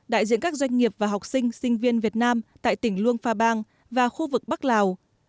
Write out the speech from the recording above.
đại diện các doanh nghiệp và học sinh sinh viên việt nam tại tỉnh luông pha bang và khu vực bắc lào